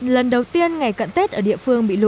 lần đầu tiên ngày cận tết ở địa phương bị lũ